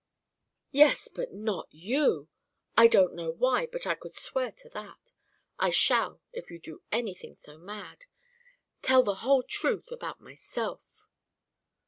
"Yes, but not you; I don't know why, but I could swear to that. I shall if you do anything so mad tell the whole truth about myself."